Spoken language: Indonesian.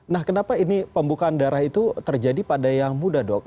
nah kenapa ini pembukaan darah itu terjadi pada yang muda dok